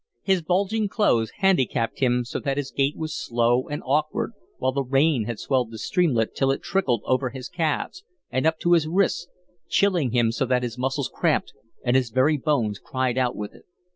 His bulging clothes handicapped him so that his gait was slow and awkward, while the rain had swelled the streamlet till it trickled over his calves and up to his wrists, chilling him so that his muscles cramped and his very bones cried out with it.